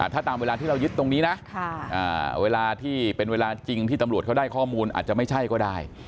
ถ้าตามเวลาที่เรายึดตรงนี้นะเวลาที่เป็นเวลาจริงที่ตำรวจเขาได้ข้อมูลอาจจะไม่ใช่ก็ได้